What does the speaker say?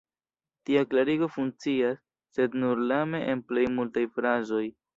Tia klarigo funkcias, sed nur lame, en plej multaj frazoj.